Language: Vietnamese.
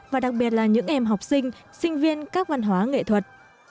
và đặc biệt là những em học sinh sinh viên các văn hóa nghệ thuật